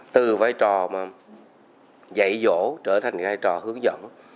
từ vai trò dạy dỗ trở thành vai trò hướng dẫn